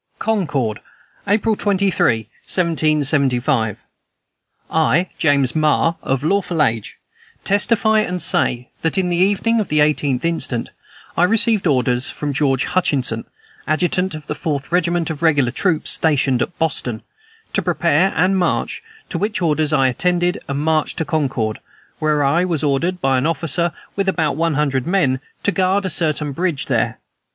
"CONCORD, April 23, 1775. "I, James Marr, of lawful age, testify and say, that, in the evening of the 18th instant, I received orders from George Hutchinson, adjutant of the fourth regiment of the regular troops stationed at Boston, to prepare and march: to which orders I attended, and marched to Concord, where I was ordered by an officer with about one hundred men to guard a certain bridge there.